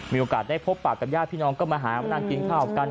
มีโอกาสได้พบปากกับญาติพี่น้องก็มาหามานั่งกินข้าวกัน